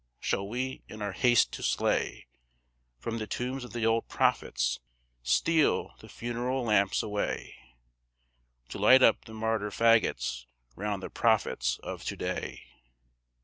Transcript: Shall we, in our haste to slay, From the tombs of the old prophets steal the funeral lamps away To light up the martyr fagots round the prophets of to day?